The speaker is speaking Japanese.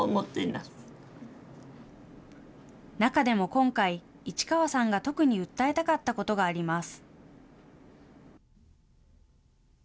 今回、市川さんが特に訴えたかったことがあります。